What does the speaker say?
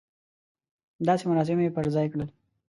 داسې مراسم یې پر ځای کړل.